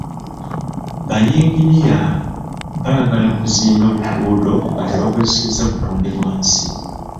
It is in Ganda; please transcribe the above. Ba yinginiya baagala kuzimba lutindo nga tebakosezza butonde bwa nsi.